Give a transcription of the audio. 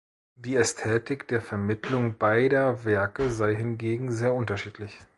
Die Ästhetik der Vermittlung beider Werke sei hingegen sehr unterschiedlich.